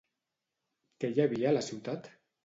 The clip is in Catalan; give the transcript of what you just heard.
Què hi havia a la ciutat?